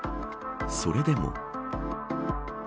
それでも。